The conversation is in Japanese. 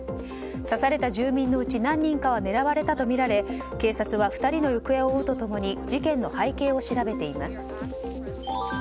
刺された住民のうち何人かは狙われたとみられ警察は２人の行方を追うとともに事件の背景を調べています。